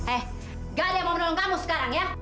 eh gak ada yang mau menolong kamu sekarang ya